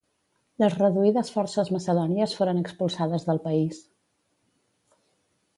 Les reduïdes forces macedònies foren expulsades del país.